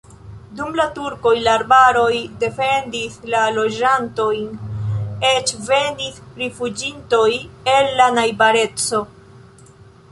Dum la turkoj la arbaroj defendis la loĝantojn, eĉ venis rifuĝintoj el la najbareco.